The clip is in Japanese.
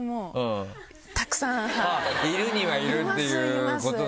いるにはいるっていうこと